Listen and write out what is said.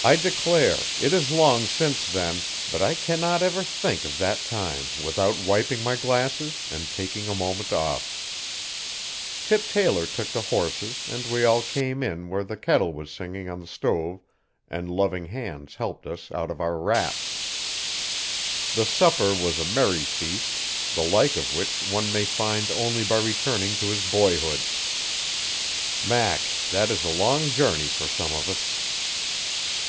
I declare! it is long since then, but I cannot ever think of that time without wiping my glasses and taking a moment off. Tip Taylor took the horses and we all came in where the kettle was singing on the stove and loving hands helped us out of our wraps. The supper was a merry feast, the like of which one may find only by returning to his boyhood. Mack! that is a long journey for some of us.